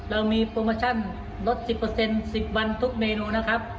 เรามีโปรโมชั่นลด๑๐ซับได้๑๐วันถึงเมนู